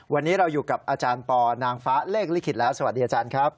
วันนี้เราอยู่กับอาจารย์ปอนางฟ้าเลขลิขิตแล้วสวัสดีอาจารย์ครับ